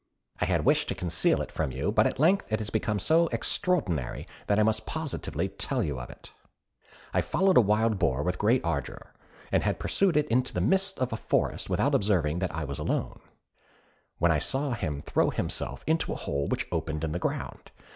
I had wished to conceal it from you, but at length it has become so extraordinary, that I must positively tell you of it. "I followed a wild boar with great ardour, and had pursued it into the midst of a forest without observing that I was alone, when I saw him throw himself into a hole which opened in the ground.